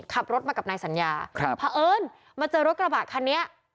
ขับรถมากับนายสัญญาครับเพราะเอิญมาเจอรถกระบะคันนี้